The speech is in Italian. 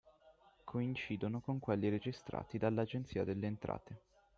Coincidono con quelli registrati dall’Agenzia delle Entrate.